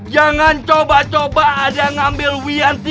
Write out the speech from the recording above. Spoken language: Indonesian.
jangan berbicara lu gua ga lagi bercanda